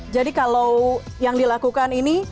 jadi kalau yang dilakukan ini